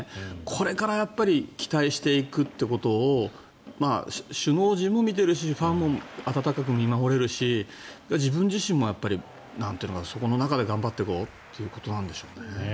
これから期待していくということを首脳陣も見ているしファンも温かく見守れるし自分自身もやっぱりそこの中で頑張っていこうということなんでしょうね。